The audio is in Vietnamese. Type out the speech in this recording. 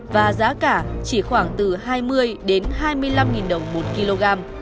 và giá cả chỉ khoảng từ hai mươi đến hai mươi năm đồng một kg